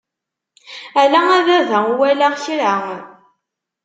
Ala a baba ur walaɣ kra!